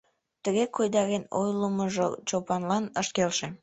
Тыге койдарен ойлымыжо Чопанлан ыш келше.